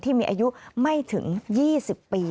ที่มีอายุไม่ถึง๒๐ปี